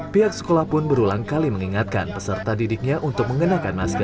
pihak sekolah pun berulang kali mengingatkan peserta didiknya untuk mengenakan masker